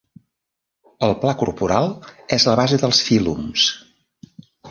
El pla corporal és la base dels fílums.